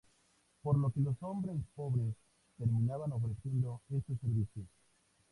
Por lo que los hombres pobres terminaban ofreciendo este servicio.